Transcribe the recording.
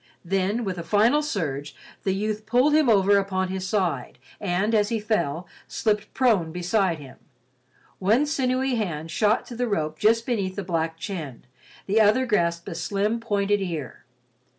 Then, with a final surge, the youth pulled him over upon his side, and, as he fell, slipped prone beside him. One sinewy hand shot to the rope just beneath the black chin—the other grasped a slim, pointed ear.